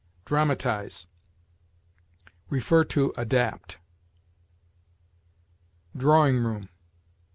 DRAMATIZE. See ADAPT. DRAWING ROOM.